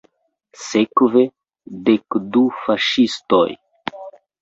Sekve, dek du faŝistoj.